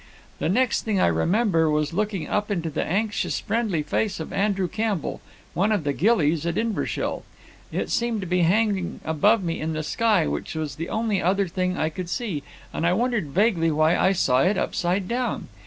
"The next thing I remember was looking up into the anxious friendly face of Andrew Campbell, one of the ghillies at Inverashiel. It seemed to be hanging above me in the sky, which was the only other thing I could see, and I wondered vaguely why I saw it upside down.